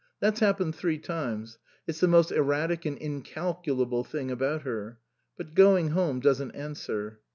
That's happened three times. It's the most erratic and incalculable thing about her. But going home doesn't answer."